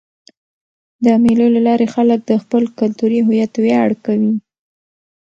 د مېلو له لاري خلک د خپل کلتوري هویت ویاړ کوي.